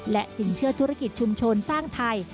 และสินเชื่อธุรกิจชุมชนสร้างไทย